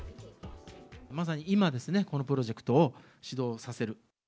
まさに今ですね、このプロジェクトを始動させる。＃